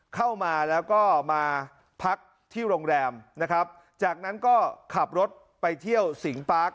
เข้ามาแล้วก็มาพักที่โรงแรมนะครับจากนั้นก็ขับรถไปเที่ยวสิงปาร์ค